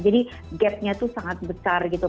jadi gapnya itu sangat besar gitu